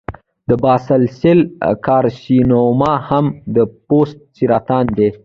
د باسل سیل کارسینوما هم د پوست سرطان دی.